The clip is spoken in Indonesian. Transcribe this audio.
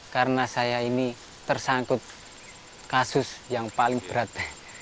karena saya ini tersangkut kasus yang paling berat